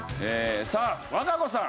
さあ和歌子さん。